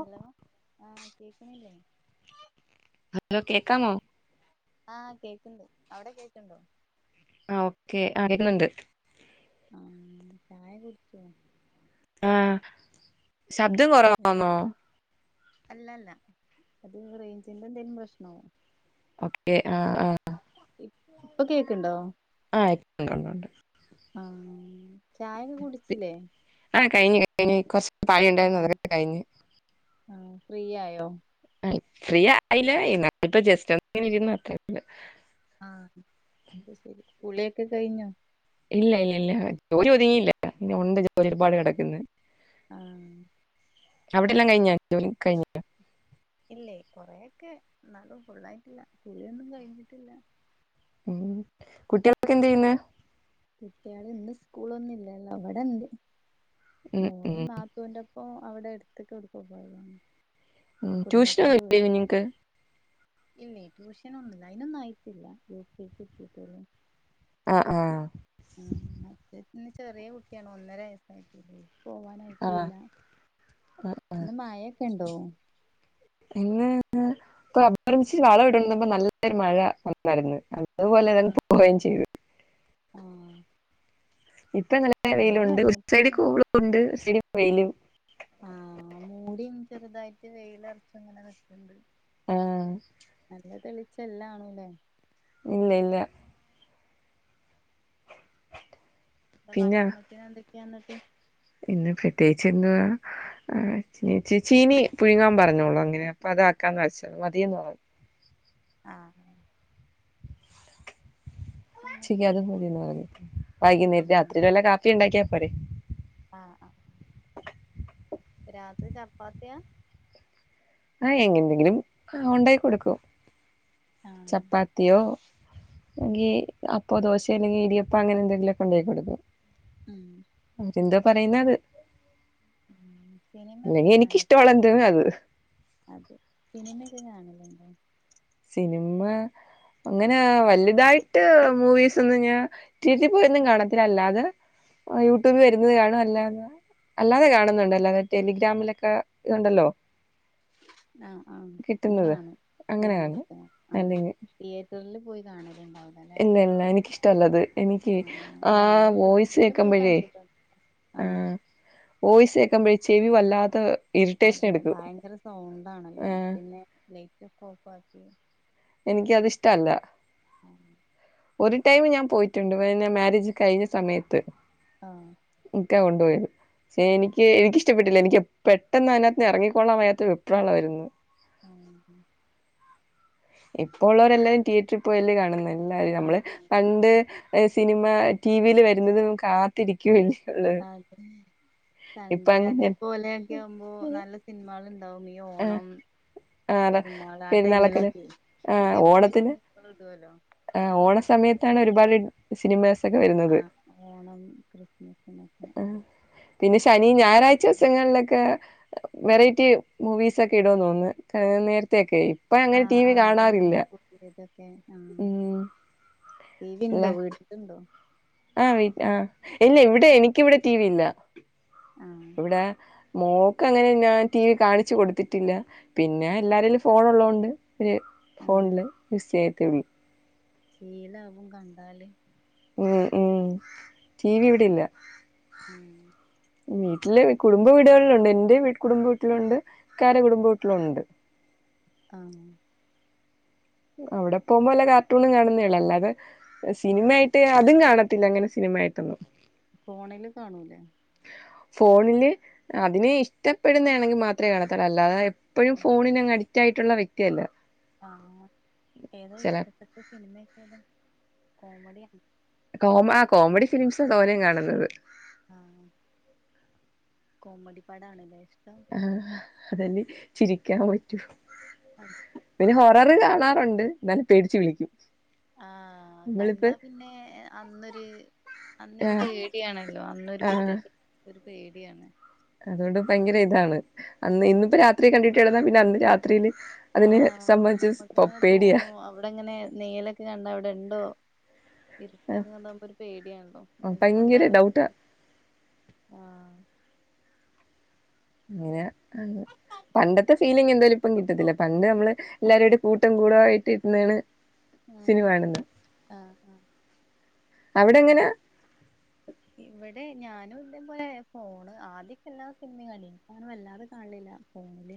Hello ആ കേക്കാണില്ലേ hello കേക്കാമോ ആഹ കേൾക്കണ്ട് അവിടെ കേക്കണ്ടോ ആ ഓക്കെ ആരുന്നുണ്ട് ആ ചായ കുടിച്ചോ ആഹ ശബ്ദം എന്ത് കൊറവാന്നോ അല്ലല്ല അത് റേഞ്ചിന്റെ എന്തേലും പ്രശ്നവോ ഓക്കെ ആഹ് ആഹ് ഇപ്പൊ കേക്കണ്ടോ ആഹക്കണ്ടുണ്ട് ആഹ് ചായക്കെകുടിച്ചില്ലേ അനി കുറ പാളിയുണ്ടായിരുന്നു അതക്കെ കഴിഞ്ഞു ആഹ് ഫ്രീ ആയോ ഇ ഫ്രീയില്ല ഇപ്പ ജസ്റ്റ ഇന്ന് അത്ര ആഹ അത് ശരി പുളിയൊക്കെ കഴിഞ്ഞു ഇല്ല ഇല്ല ഇല്ല ജോലി ഒതുങ്ങിയില്ല ഇ ഒരുപാട് ആഹ് കിടക്കന്ന് ആഹ് അവിടെല്ലാം കഴിഞ്ഞൻ ഇല്ലേ കൊറെ ക്കെ എന്നാലും പൊള്ളായിട്ടില്ല കുളിയൊന്നും കഴിഞ്ഞിട്ടില്ല ഉം കുട്ടികളൊക്കെ എന്ത് ചെയ്യന്ന് കുട്ടികള് ഇന്ന് സ്കൂളൊന്നുംില്ലല്ലോ അവിടെന്ത് മോളും നാത്തുംന്റെ ഇപ്പൊ അവിടെ എടുത്തട്ട എടുക്ക പോയതാണ് ഉ ട്യൂഷന കുടുംബക്കാരെ ക വീട്ട്ക്ക് നിങ്ങക്ക് ഇല്ലേ ട്യൂഷന ഒന്നുംില്ല അതിനനൊന്നും ആയിട്ടില്ല യട്ടീട്ടന്നന്ന് ആഹ ആഹ മറ്റേ ഇന്ന് ചെറിയ കുട്ടിയണോ ഒന്നര വയസ്സായിട്ടേ ആ പോവാനായിട്ടല്ല ഇന്ന് മായൊക്കെ ഉണ്ടോ ഇ ഇപ്പൊ അപർമിച്ച് വളം ഇട്പ നല്ലൊരു മഴ വന്നായിരുന്നു അതുപോലെ തതെ പോവുകയും ചെയ്തു ആഹ ഇപ്പൊ നല്ല വെയിലുണ്ട് സൈഡ കൂളുംണ്ട് സൈഡ വെയിലും ആഹ് മൂടി ചെറുതായിട്ട് വെയില ഇറച്ച ഇങ്ങനെ വെക്കണ്ട് ആഹ് ചെല്ലാണല്ലേ ഇല്ല ഇല്ല ഇ പിന്നെ ഭക്ഷണത്തിന് എന്തൊക്കെയാന്നിട്ട് ഇന്ന് പ്രത്യേകിച്ച് എന്വാ ച ചീനി പുഴുങ്ങാൻ പറഞ്ഞോളൂ അങ്ങന ഇതാക്കാ കാശ് മതി തോന്നും ആഹഹ ഉച്ച ക്കത് മതിന്ന് പറഞ്ഞു വൈകുന്നേരം രാത്രി വല്ല കാപ്പി ഉണ്ടാക്കിയാ പോരെ ആഹ ആ രാത്രി ചപ്പാത്തിയാ ആ എങ്ങെന്തെങ്കിലും ആ ഉണ്ടായി കൊടുക്കും ആഹ് ചപ്പാത്തിയോ എങ്ക അപ്പൊ ദോശ അല്ലെങ്കിൽ ഇടിയപ്പ അങ്ങനെ എന്തെങ്കിലുമൊക്കെ ഇണ്ടാക്കി കൊടുക്കും ഉം എന്താ പറയുന്നത് ഉം സിനിമയൊക്കെ അല്ലെങ്കി കാണൽ എനിക്കിഷ്ടമുള്ള എന്ത അത് അതെ സിനിമെക്കകാണലുണ്ടാ സിൻമാ അങ്ങനെ വലുതായിട്ട് മൂവീസൊന്നും ഞാ തീറ്ററിൽ പോയൊന്നും കാണത്തില്ല അല്ലാതെ യൂട്യൂബി വരുന്നത് കാണും അല്ലന്ന് അല്ലാതെ കാണുന്നുണ്ട് അല്ലാതെ ടെലിഗ്രാമിലൊക്കെ ഇതുണ്ടല്ലോ ആഹ ആഹ അങ്ങനെ കിട്ടുന്നത് കാണും അങ്ങനെ ലിങ്കി കാണും ആ അല്ലെങ്കിൽ തിയേറ്ററിൽ പോയി കാണ ഇല്ല ഇല്ല എനിക്കിഷ്ട്ടൊല്ലത് എനിക്ക് ആഹ് ആ ഞാനും വോയിസ് തിയേറ്ററിൽ പോയി കേക്കുമ്പഴേ കണ്ടിട്ടുണ്ട് ആ ആഹ് വോയ്സ് കേൾക്കുമ്പോഴേ ചെവി വല്ലാത്തെ അതെ ഭയങ്കര സൗണ്ടാണല്ലോ പിന്നെ ലൈറ്റൊക്കെ ഓഫാക്കി എനിക്കതിഷ്ടല്ല ആഹ് ഒരു ടൈം ഞാൻ പോയിട്ടുണ്ട് പിന്നെ മാരേജ് കഴ്ഞ്ഞ സമയത്ത് ആ [unintelligible] കൊണ്ട്പോയത് പക്ഷെ എനിക്ക് എനിക്കിഷ്ട ഇഷ്ടപ്പെട്ടില്ല എനിക്ക് പെട്ടെന്ന് അതിനകത്ത്ന്ന് എറങ്ങിക്കൊള്ളാൻവയ്യാത്ത വെപ്രാളായ്ര്ന്ന് ആ ഇപ്പോള്ളോരെല്ലാം തിയേറ്ററിൽ പോയല്ലേ കാണുന്നെ എല്ലാരും നമ്മള് ആഹ് പണ്ട് സിനിമ ടീവീൽ വരുന്നതും കാത്തിരിക്കൂല്ലേ അതെ സൺണ്ടേ അങ്ങനെ അതേപോലൊക്കെ ആവുമ്പോ നല്ല സിന്മാൾ നൗമിയോ ആഹ് ഓണം ആഹ് പെരുന്നാൾ ആ പെരുന്നാളൊക്കെല്ലേ ടൈമിലൊക്കെ പുതിയ പുതിയ സിനിമൾ ഇടൊല്ലോ ആ ഓണ സമയത്താണ് ഒരുപാട് സിനിമ ആ ഓണം ക്രിസ്മെസിനൊക്കെ സങ്ങളിലൊക്കെ വെറൈറ്റി മൂവീസ് ഒക്കെ ഇടോ തോന്നന്ന് ക നേരത്തെൊക്കെയി ആഹ് ആഹ് അതന്നെ [unintelligible] മ്മ് ടീല്ണ്ടോ വീട്ട്ല്ണ്ടോ ആ് വീ ആ ഇല്ല ഇവിടെ എനിക്കിവ്ടെ ടി വി ല്ല ആഹ് ഇവിടെ മോൾക്കങ്ങനെ ഞാൻ ടി വി കാണിച്ച് കൊടുത്തിട്ടില്ല പിന്നെ എല്ലാരേലും ഫോ ള്ളോണ്ട് ഒര് ആഹ് ഫോണ്ല് ബിസിയായിരി [unintelligible] ശീലാവും കണ്ടാല് ഉ ഉം ടി വി ഇവിടില്ല ഉം വീട്ടില് കുടുംബ വീടുകളിലുണ്ട് എന്റെ വീട്ട് കുടുംബ വീട്ടിലുണ്ട് ഇക്കാടെ കുടുംബ വീട്ടിലുണ്ട് ഉം അവിടെ പോവുമ്പോ വല്ല കാർട്ടൂണും കാണുന്നെള്ളു അല്ലാതെ സിനിമായിട്ട് അതും കാണത്തില്ല അങ്ങനെ സിനി ഇമ്മായിട്ട് [unintelligible] ഫോണില് കാണൂലേ ഫോണില് അതിന് ഇഷ്ടപ്പെടുന്നേണെങ്കിൽ മാത്രേ കാണത്തൊള്ളൂ അല്ലാതെ പ്പൊഴും ഉം ഫോണിനങ്ങഡിക്റ്റായ്ട്ടുള്ള വ്യക്ക്ത്യ ല്ല ആ ഏതാ ഇഷ്ടപ്പെട്ട സിനിമക്കേതാ കോമഡ്യാ കോമ ആ കോമഡി ഫിലിംസാ തോനിം കാണുന്നത് ആ കോമഡി പാടാണ്ല്ലേ ആ അതന്നെ ചിരിക്കാൻ പറ്റൂ പിന്നെ ഹോ റ് കാണാറ്ണ്ട് എന്നാലും പേടിച്ച് വിളിക്കും ആ നമ്മളിപ്പോ കണ്ടാ പിന്നെ അന്നൊര് ആ അന്നൊരു പേട്യാണല്ലോ അന്നൊരു ആ പിറ്റ ഒരു പേട്യാണ് അതുകൊണ്ട് ഭയ്ങ്കര ഇതാണ് അന്ന് ഇന്ന്പ്പോ രാത്രി കണ്ടിട്ട്കെടന്നാ പിന്നെ അന്ന് രാത്രിയില് ആ അതിനെ സംബന്ധിച്ച് നമ്മക്ക്ങ്ങനെ പേടിയാ തോന്നും അവ്ടങ്ങനെ നെയലൊക്കെ കണ്ടാ അവ്ടെണ്ടോ ഇര്ട്ടൊക്കെണ്ടാവുമ്പൊര് പേട്യാണല്ലോ [unintelligible] ഭയങ്കര ഡൗട്ടാ ഇണ്ടാവാതിരിക്കട്ടെ ആ അങ്ങനെ അ പണ്ടത്തെ ഫീലിംഗെന്തായാലും ഇപ്പം കിട്ടത്തില്ല പണ്ട് നമ്മള് എല്ലാരൂടിം കൂട്ടം കൂടായ്ട്ട് ഇര്ന്ന്ണ് മ് ആ ആ അവിടെങ്ങനാ ഇവടെ ഞാനും ഇതേ പോലെ ഫോണ് ആദ്യൊക്കെ എല്ലാ സിനിമിം കണ്ടീനി ഇപ്പോ അങ്ങനെ വല്ലാതെ കാണ്ലില്ല ആ ഫോണില്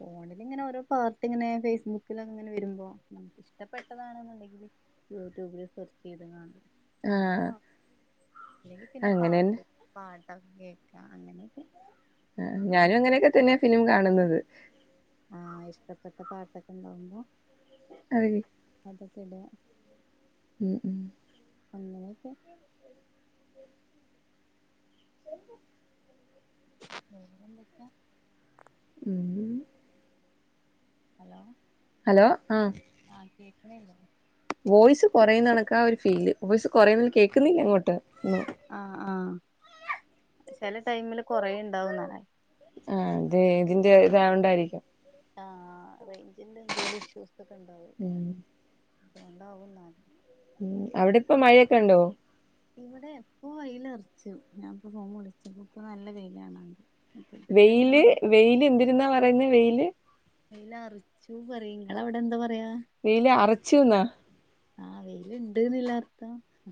ഫോണിലിങ്ങനെ ഓരോ പാർട്ട് ഇങ്ങനെ ഫേസ്ബുക്കിലക്കെ ഇങ്ങനെ വരുമ്പോ നമുക്ക് ഇഷ്ടപ്പെെട്ടതാണെന്നുണ്ടെങ്കില് യൂട്യൂബില് സെർചെയ്ത് കാണ ആ അങ്ങനെയ അല്ലെങ്കി പിന്നെ അങ്ങനെന്നെ പാട്ട് പ പാട്ടൊക്കെ കേൾക്കാം അങ്ങനെയൊക്കെ ആ പിന്നെ ഞാനും ബാക്കി അങ്ങനെയൊക്കെ തന്നെയാ ഫിലിം ആഹ് കാണുന്നത് ന്താാവുമ്പോ അതിന് [unintelligible] ഉം അങ്ങനെയൊക്കെ വേറെന്തൊക്കാ ഉം ഹലോ ഹലോ ആഹ ന [unintelligible] വോയിസ് കൊറയുന്നണക്കാ ഒരു ഫീല് വോയിസ് കൊറയുന്നു കേക്കുന്നില്ല ഇങ്ങോട്ട് ആഹ ആഹ ചെല ടൈമില് കൊറയ്ണ്ടാവുന്നല്ലെ ആഹ തെ ഇതിന്റെ ഇതായോണ്ടായിരിക്കും ആ റേയ്ഞ്ചിന്റെ എന്തോരിഷ്യൂസൊക്കെ ഉം ഉണ്ടാവു ഉം അവിടിപ്പ മഴയൊക്കെ ഉണ്ടോ ഇവിടെ എപ്പൊ വെയ്ലർച്ചു ഞാനിപ്പ ഫോൺ വിളിച്ചപ്പ ഇപ്പൊ നല്ല വെയ്ലാണ് വെയ്ല് വെയ് ല് എന്തിരുന്നാ പറയുന്ന വെയ്ല് വെയ്ലറച്ചു പറയും നിങ്ങളവടെ എന്താ പറയാ വെയ്ലറച്ചു ന്നാ ആഹ വെയ്ല്ണ്ട്നില്ലർ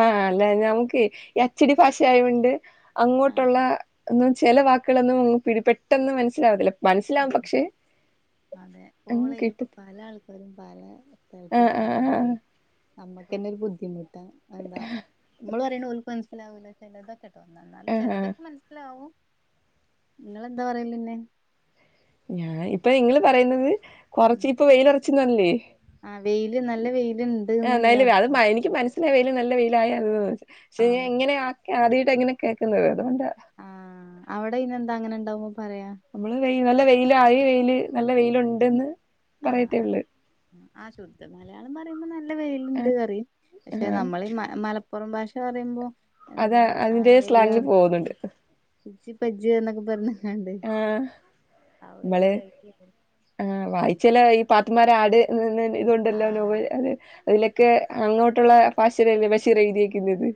ആഹ് അല്ല ഞമുക്ക് ഈ അച്ചടി ഭാഷായൊണ്ട് ആഹ് അങ്ങോട്ടുള്ള ചില വാക്കുകളൊന്നും പിടി പെട്ടെന്ന് മനസ്സിലാവത്തില്ല ആഹ് മനസ്സിലാവും ആഹ് പക്ഷെ അതെ ഉം കോളെയ്യുമ്പ കിട്ടും പല ആൾക്കാരും പല ആഹ് ആഹ് തരത്തിലുള്ളതായൊണ്ടേ നമ്മുക്കന്നെ ഒരു ബുദ്ധിമുട്ടാ എന്താ നമ്മള് പറയണ ഓല്ക്ക് മനസ്സിലാവൂല്ല ചെലതൊ അല്ല ആഹ് ആഹ് ചെലതൊക്കെ മനസ്സിലാവും നിങ്ങളെന്താ പറയലന്നെ ഞാൻ ഇപ്പ ഇങ്ങള് പറയുന്നത് കൊറച്ച് ഇപ്പ വെയ്ലർച്ന്നർഞ്ഞില്ലേ ആ വെയില് നല്ല വെയില് ഇണ്ട്ന്നില്ല ആഎന്തായ്ല് അത് അർത്ഥം എനിക്ക് മനസ്സിലായ് വെയ് ല്നല്ല വെയ്ലായ ത് ആഹ് ക്ഷെഞാഇങ്ങനെ ആട്ട് ആത്യായിട്ട ഇങ്ങനെ കേൾക്കുന്നത് അതുകൊണ്ട് അവടെ ഇയ്നെന്താ അങ്ങനെ ഇണ്ടാവുമ്പ പറയാ ങ്കി ന്നല്ല വെയ്ലായി വെയ്ല് നല്ല വെലുണ്ടെന്ന് ആഹ് ആഹ് പറയത്തേഒള്ളു ആ ശുദ്ധ മലയാളം പറയുമ്പോ നല്ല വെയ്ലുണ്ട് ആഹ് പറയും പക്ഷെ ആഹ് നമ്മളി മല മല പുറം ഭാഷ പറയുമ്പോ അതാ എന്താ ആ അതിന്റെ സ്ലാങ്ങില് വെയിലർച്ചു പോകുന്നുണ്ട് ഇച്ച് പജ്ജു എന്നൊക്കെ പറഞ്ഞ് ങ്ങാണ്ട് ആഹ് ആ ഒരു [unintelligible] ആ വായിച്ചലായി പാത്തമ്മാര ആട് നിന്ന് ഇതൊണ്ടല്ലോ ആഹ് നോവൽ അത് അതിലൊക്കെ അങ്ങോ ട്ടുള്ള ഭാഷേലല്ലേ ബഷീറഴുതിയിരിന്നത്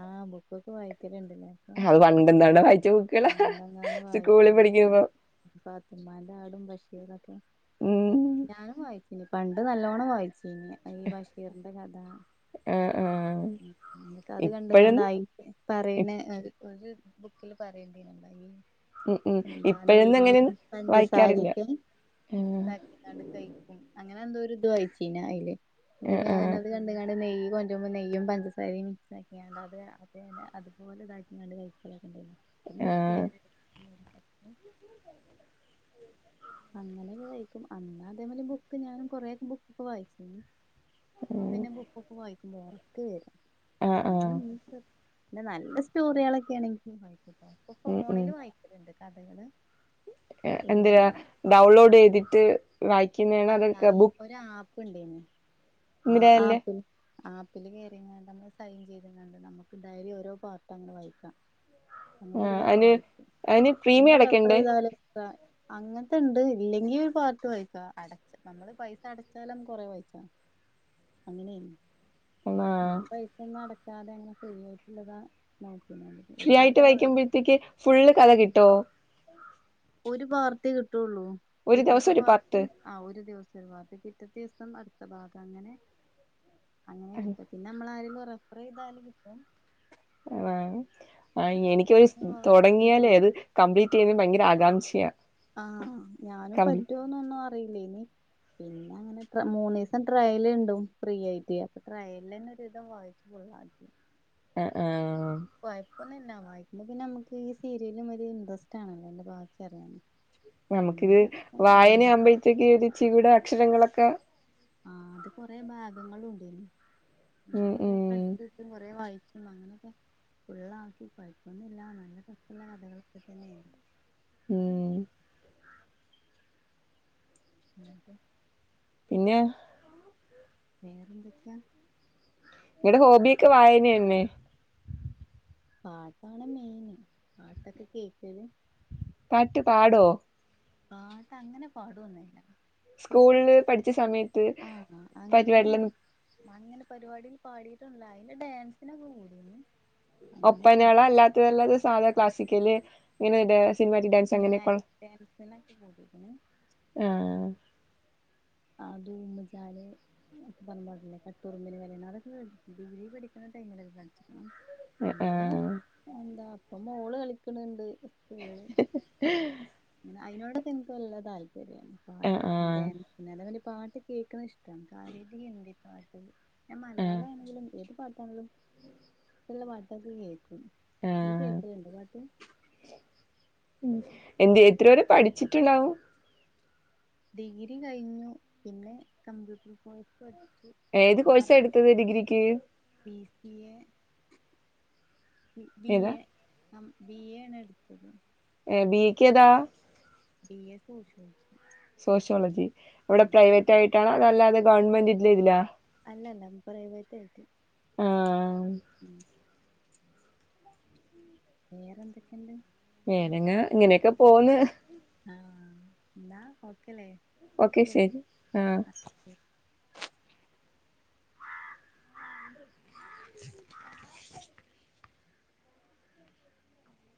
ആഹ് ബുക്കൊക്കെ വായിക്കലു ഉണ്ട് ലേ അപ്പം അത് പണ്ടെന്താണ്ടോ വായിച്ച ബുക്കുകളാ പണ്ടങ്ങാന് വായിച്ച സ്കൂളിൽ ബുക്കാ പഠിക്കുമ്പോ പത്തമാന്റെ ആടും ബഷി റൊക്കെ. ഉം ഞാനും വായിച്ചിനി പണ്ട് നല്ലോണം വായി ച്ചിനി അ ഈ ബഷീറിന്റെ ക ആഹ് ആഹ് ഉം അന്ന് ഒക്കെ അത് കണ്ട് കാണ്ടയി ഇപ്പഴൊന്നും പറയ്ണെ ഒര് ബുക്കില് പറയണ്ടി [unintelligible] ഉം ഉം എന്താ ഇപ്പഴൊന്നും അങ്ങനെ നെയ്യും വായിക്കാറില്ല പഞ്ചസാരിയൊക്കെ ആഹ് മിക്സാക്കിക്കാണ്ട് കഴിക്കും അ ങ്ങനെ എന്തോര് ഇത് വായിച്ചീനയ്ല് ഇന്നട്ട് ആഹ് ഞാനത് കണ്ട് ങ്ങാണ്ട് നെയ്യ് കൊണ്ട്രുമ്പം നെയ്യും പഞ്ചസാരിം ഇതാക്കിയാണ്ട് അത് അതുപോലെ ഇതാക്കിക്കാണ്ട് കഴിക്കലൊക്കണ്ട് ഇപ്പൊ ആഹ് നിർത്തിയങ്ങനെ [unintelligible] അങ്ങനെക്കെ കയിക്കും അന്ന് അതേപോലെ ബുക്ക് ഞാനും കൊറെയൊക്കെ ബുക്ക് വായിച്ചീനി ഉം പിന്നെ ബുക്കൊക്കെ വായിക്കുമ്പോ ഒറക്ക് വര്വ. ആഹ് ആഹ് അന്നും ണ്ട് പിന്നെ നല്ല സ്റ്റോറിയാളൊക്കെണെങ്കി വായിക്കുട്ടോ ഇപ്പൊ ഉം ഫോണില് വായിക്കലണ്ട് കഥകള് ഒരു എന്ത് ഡൗൺലോഡ്യ്തിട്ട് വായിക്കുന്നേണോ അതൊ ക് ബു പ്ണ്ടേനി ആ ആപ്പില് ആപ്പിൽ കേറികാണ്ട് നമ്മൾ സൈൻ ചെയ്ത്കാണ്ട് നമുക്ക് ഡെയ്ലി ഓരോ പാർട്ട് അങ്ങനെ വായിക്കാം അങ്ങനെ ഒരു ആഹ് കഥ അയിന് വായിക്കും. അയിന് പിന്നെ പ്രീമിയം റഫർ അടക്കണ്ടേ ചെയ്താലൊക്ക അങ്ങൻ ക്കെണ്ട് ഇല്ലെങ്കിൽ ഒരു പാർട്ട് വായിക്കാ അടച്ച് നമ്മള് പൈസ അടച്ചാലമ്മക്ക് കൊറേ വായ്ച്ചാ. അങ്ങനേനി ആഹ് ഞാൻ പൈസ ഒന്നും അടക്കാതെ അങ്ങനെ ഫ്രീ ആയിട്ടുള്ളതാ നോ ഫ്രീ ആയിട്ട് വയ്ക്കുമ്പോഴത്തേക്ക് ഫുള്ള് കഥ കിട്ടോ ഒരു പാർട്ട് കിട്ടുള്ളൂ ഒരു ദിവസം പിറ്റത്തെ ഒരു പാർട്ട് ആ ഒരു ദിവസം ഒരു പാർട്ട്. പിറ്റ ത്തീസം അടുത്ത ഭാഗം. അങ്ങനെ അങ്ങനെ ആഹ് കിട്ട. പിന്നെ നമ്മൾ ആരെന്നും റഫർ ചെയ്താല് കിട്ടും ആ ആ എനിക്കൊരു അങ്ങനൊക്കെ സ് വായിക്കും തുടങ്ങിയാലേ അത് കംപ്ലീറ്റ് ചെയ്യുന്ന ഭയങ്കര ആകാംക്ഷ ആഹ് ഞാനും പറ്റുവൊന്നൊന്നും അറിയില്ല ഇനി പിന്നെ അങ്ങനെ മൂന്നീസം ട്രയൽ ഉണ്ടും ഫ്രീ ആയിട്ട് അപ്പൊ ട്രയലന്നെ ഒര് വിധം വായിച്ച് കൊ [unintelligible] എ ആഹ് കൊയപ് പൊന്നില്ല. വായിക്ക്മ്പോ പിന്നെ നമ്മക്ക് ഈ സീരിയലും ഒര് ഇൻട്രസ്റ്റ് ആണല്ലോ. അയ്ൻ്റെ ബാക്കി അറ്യാന് നമുക്കിത് വായന ആകുമ്പഴ്ത്തേക്ക് ഒരിച്ചിരൂടെ അക്ഷരങ്ങളൊക്കെ ആഹ് അത് കൊറെ ഭാഗങ്ങളുംണ്ടേ നി. ഉം കൊറേ ഉം കട്ട് [unintelligible] കൊറെ വായി ച്ചും അങ്ങനെയൊക്കെ ഫുള്ളാക്കി. കൊഴ്പ്പൊന്നില്ല. നല്ല രസള്ള കഥകളൊക്കെ തന്നേനു ഉം പിന്നെപ്പോ പിന്നെ വേറെന്തൊക്കെയാ നിങ്ങളടെ ഹോബിയൊക്കെ വായനന്നെ? പാട്ടാണ് മെയിന് പാട്ടൊക്കെ കേക്കല് പാട്ടു പാടോ പാട്ട് അങ്ങനെ പാടൊന്നുല്ല പക്ഷെ സ്കൂളില് പഠിച്ച സമയത്ത് ആഹ് അങ്ങനെ പരിപാടി ലൊന്നും അങ്ങനെ പരിപാടിയിൽ പാടിയിട്ടുണ്ട്. അതിന്റെ ഡാൻസിനൊക്കെ കൂടേനി ഒപ്പനെളല്ലാത്തല്ലാത സാധാ ക്ലാസിക്കല് ഇങ്ങനെ ഡാ പിന്നെ മാത്ട്ടാൻസിനൊക്കെ കൂടീക്ക്ണ് ആഹ് അ ദൂംചാല് ഒക്കെ പർഞ്ഞ പാട്ടില്ലേ കട്ടുറുമ്പിന് കല്യാണം അതൊക്കെ കേട്ട് ഡിഗ്രി പഠിക്ണ തെങ്ങനൊക്കെ കൾച്ച്ക്ക്ണ ആ ആഹ് ഇപ്പൊ മോള് കളിക്ണണ്ട്. സ്കൂൾല്. അയിനോടൊക്കെ ൻക്ക് നല്ല താൽ ശരിയാണ് ആഹ് പാട്ട് ആഹ് ഡാൻ തെ മാരി പാട്ട് കേക്ണഹ് ഇഷ്ടാ. കാര്യായ്ട്ട് ഹിന്ദി പാട്ട്. ഞാൻ ആഹ് മലയാളാണെങ്കിലും ഏത് പാട് ഫോന്ലും ല്ല പാട്ടൊക്കെ കേക്കു ഇയ് ആഹ് കേക്കലുണ്ടോ പാട്ട് ഉം എന്ത് എത്ര വരെ പഠിച്ചിട്ടുണ്ടാവും ഡിഗ്രി കഴിഞ്ഞു പിന്നെ കമ്പ്യൂട്ടർ കോയി ഏത് കോഴ്സ് എടുത്തത് ഡിഗ്രിക്ക് ബി എ. ബി ഏതാ എ ആ ബി എ ആണ് എടുത്തത് ബീയെക്ക് ഏതാ ബി എ സോഷ്യോളജി സോോളജി ഇവിടെ പ്രൈവറ്റ് ആയിട്ടാണ് അതല്ലാതെ ഗവൺമെന്റ് ഇല്ല അല്ലല്ല ഒരേ പോലെ ത്തായിട്ട് ആഹ് വേറെന്തൊക്കെണ്ട്? വേനങ്ങ ഇങ്ങനെയൊക്കെ പോന്ന് ആഎന്നഒക്കല്ലേ ഓക്കെ ശരി. ആ [unintelligible]